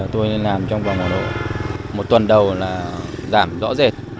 tôi làm trong vòng một tuần đầu là giảm rõ rệt